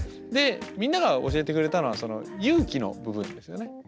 でみんなが教えてくれたのは勇気の部分ですよね。